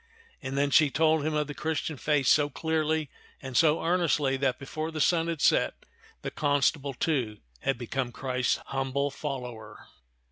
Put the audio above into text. And then she told him of the Christian faith so clearly and so earnestly that before the sun had set, the constable, too, had become Christ's humble follower.